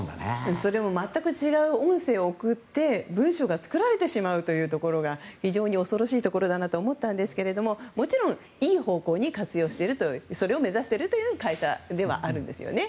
それも全く違う音声を送って文章が作られてしまうところが非常に恐ろしいなと思ったんですがもちろん、いい方向への活用を目指しているという会社ではあるんですよね。